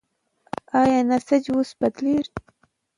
ایا نسج اوس بدلېږي؟